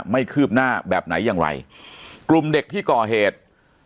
คืบหน้าแบบไหนอย่างไรกลุ่มเด็กที่ก่อเหตุ